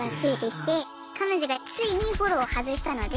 彼女がついにフォローを外したので。